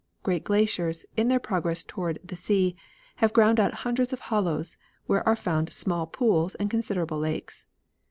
Great glaciers, in their progress toward the sea, have ground out hundreds of hollows, where are found small pools and considerable lakes.